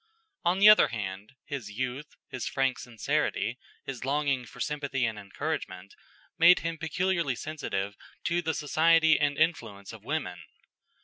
On the other hand, his youth, his frank sincerity, his longing for sympathy and encouragement, made him peculiarly sensitive to the society and influence of women.